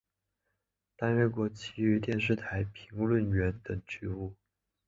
担任过崎玉电视台评论员等职务。